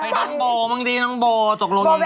น้องโบว์บางทีน้องโบว์ตกลงอย่างไร